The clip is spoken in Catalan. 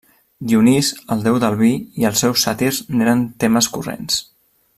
Dionís, el déu del vi, i els seus sàtirs n'eren temes corrents.